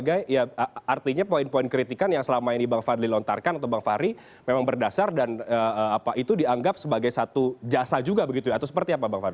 jadi ini sebetulnya adalah penghargaan sebagai artinya poin poin kritikan yang selama ini bang fadli lontarkan atau bang fahri memang berdasar dan apa itu dianggap sebagai satu jasa juga begitu ya atau seperti apa bang fadli